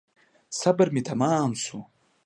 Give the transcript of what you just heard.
صبر مي تمام شو .